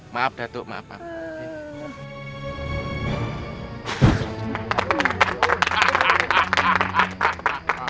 maaf datuk maaf